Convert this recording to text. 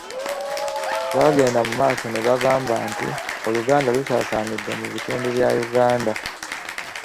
Bagenda mu maaso ne bagamba nti Oluganda lusaasaanidde mu bitundu bya Uganda.